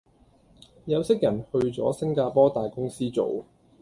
有識人去左星加坡大公司做